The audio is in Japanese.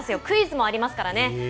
クイズもありますからね。